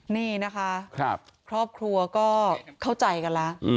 นี่นะคะครอบครัวก็เข้าใจกันแล้ว